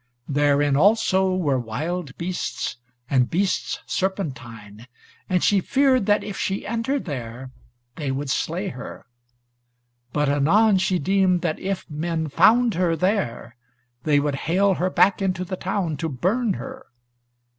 Therein also were wild beasts, and beasts serpentine, and she feared that if she entered there they would slay her. But anon she deemed that if men found her there they would hale her back into the town to burn her.